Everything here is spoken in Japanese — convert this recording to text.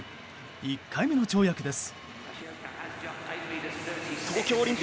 １回目の跳躍です。